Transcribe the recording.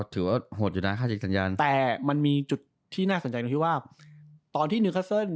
แต่มันมีจุดที่น่าสนใจที่ว่าตอนที่นิวคัสเซ็นต์